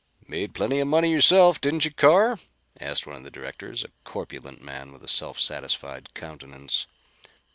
"Made plenty of money yourself, didn't you, Carr?" asked one of the directors, a corpulent man with a self satisfied countenance.